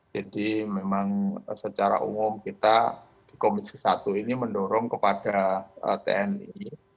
jadi memang secara umum kita di komisi satu ini mendorong kepada tni